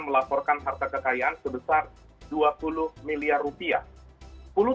melaporkan harta kekayaan sebesar dua puluh miliar rupiah